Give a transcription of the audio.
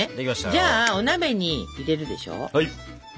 じゃあお鍋に入れるでしょ。